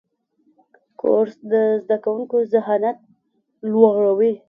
کورس د زده کوونکو ذهانت لوړوي.